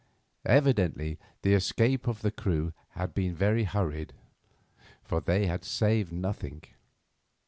Evidently the escape of the crew had been very hurried, for they had saved nothing.